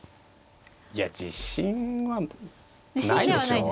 いや自信はないでしょう。